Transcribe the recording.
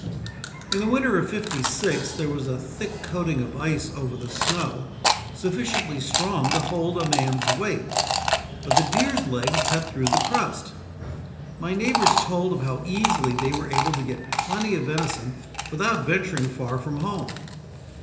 In the winter of '56, there was a thick coating of ice over the snow, sufficiently strong to hold a man's weight, but the deers' legs cut through the crust. My neighbors told of how easily they were able to get plenty of venison without venturing far from home.